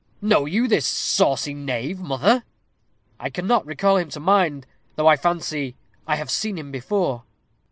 "Know you this saucy knave, mother?" "I cannot call him to mind, though I fancy I have seen him before."